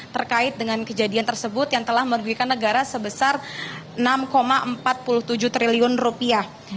terkait dengan kejadian tersebut yang telah merugikan negara sebesar enam empat puluh tujuh triliun rupiah